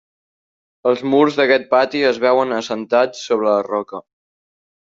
Els murs d'aquest pati es veuen assentats sobre la roca.